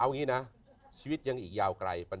เอางี้นะชีวิตยังอีกยาวไกล